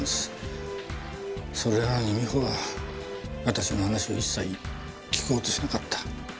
それなのに美穂は私の話を一切聞こうとしなかった。